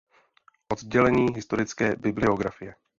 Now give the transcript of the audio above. Oddělení historické bibliografie.